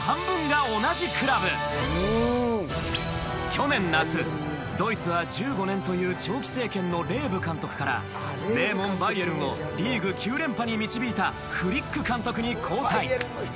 去年夏、ドイツは１５年という長期政権のレーブ監督から名門バイエルンをリーグ９連覇に導いたフリック監督に交代。